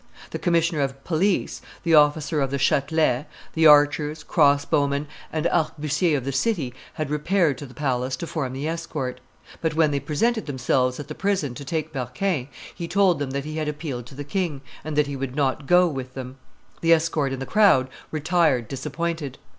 The commissioner of police, the officer of the Chatelet, the archers, crossbowmen, and arquebusiers of the city had repaired to the palace to form the escort; but when they presented themselves at the prison to take Berquin, he told them that he had appealed to the king, and that he would not go with them. The escort and the crowd retired disappointed.